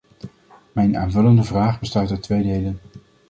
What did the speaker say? Mijn aanvullende vraag bestaat uit twee delen.